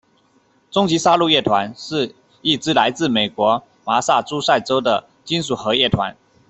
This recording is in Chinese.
终极杀戮乐团是一支来自美国麻萨诸塞州的金属核乐团。